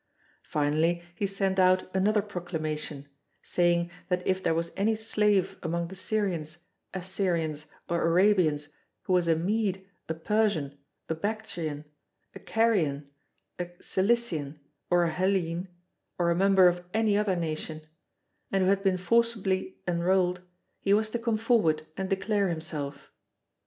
Finally he sent out another proclamation, saying that if there was any slave among the Syrians, Assyrians, or Arabians who was a Mede, a Persian, a Bactrian, a Carian, a Cilician, or a Hellene, or a member of any other nation, and who had been forcibly enrolled, he was to come forward and declare himself.